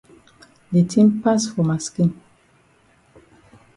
De tin pass for ma skin.